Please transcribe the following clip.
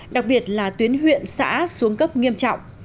đặc biệt là tuyến huyện xã xuống cấp nghiêm trọng